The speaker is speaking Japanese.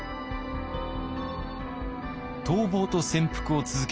逃亡と潜伏を続ける長英。